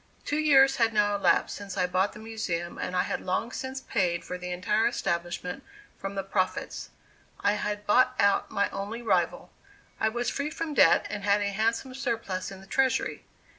Two years had now elapsed since I bought the Museum and I had long since paid for the entire establishment from the profits; I had bought out my only rival; I was free from debt, and had a handsome surplus in the treasury.